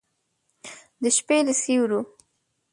د شپې له سیورو